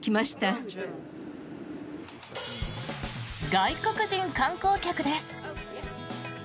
外国人観光客です。